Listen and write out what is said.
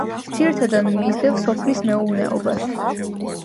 ძირითადად მისდევენ სოფლის მეურნეობას.